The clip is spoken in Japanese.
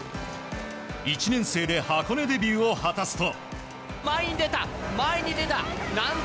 １年生で箱根デビューを果たすと。